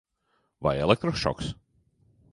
Vai elektrošoks?